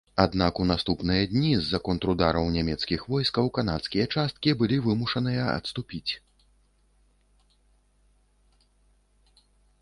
Аднак у наступныя дні з-за контрудараў нямецкіх войскаў канадскія часткі былі вымушаныя адступіць.